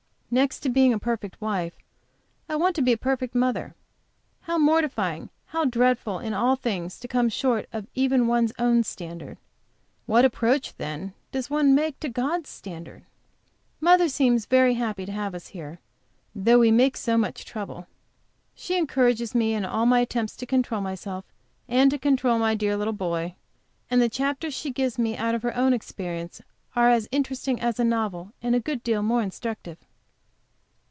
Next to being a perfect wife I want to be a perfect mother. How mortifying, how dreadful in all things to come short of even one's own standard. What approach, then, does one make to God's standard? Mother seems very happy to have us here, though we make so much trouble. She encourages me in all my attempts to control myself and to control my dear little boy, and the chapters she gives me out of her own experience are as interesting as a novel, and a good deal more instructive.